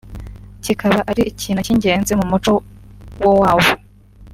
kikaba ari ikintu cy’ingenzi mu muco wo wabo